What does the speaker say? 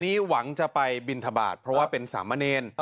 หวังจะไปบินทบาทเพราะว่าเป็นสามเณร